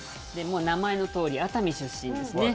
名前のとおり熱海出身ですね。